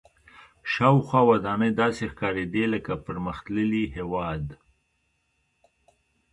شاوخوا ودانۍ داسې ښکارېدې لکه پرمختللي هېواد.